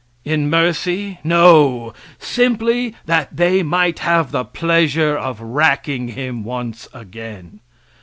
In mercy? No! Simply that they might have the pleasure of racking him once again.